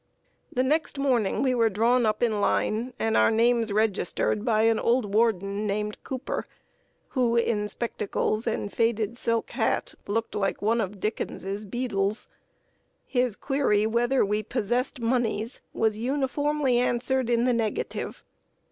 The next morning we were drawn up in line, and our names registered by an old warden named Cooper, who, in spectacles and faded silk hat, looked like one of Dickens's beadles. His query whether we possessed moneys, was uniformly answered in the negative.